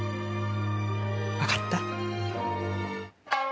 分かった？